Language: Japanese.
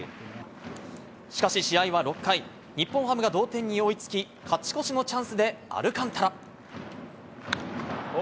しかし試合は６回、日本ハムが同点に追いつき、勝ち越しのチャンスでアルカンタラ。